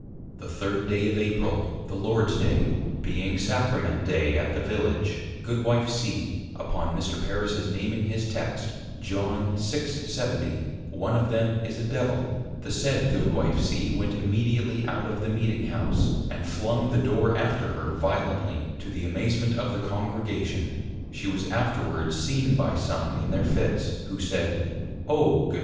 The 3d of April, the Lord's day, being Sacrament day, at the Village, Goodw. C. upon Mr. Parris's naming his Text, John 6.70. One of them is a Devil, the said Goodw. C. went immediately out of the Meeting House, and flung the Door after her violently, to the amazement of the Congregation. She was afterwards seen by some in their Fits, who said, _O +Goodw.